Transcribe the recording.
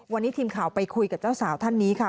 วันนี้ทีมข่าวไปคุยกับเจ้าสาวท่านนี้ค่ะ